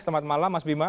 selamat malam mas bima